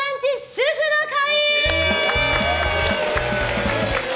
主婦の会！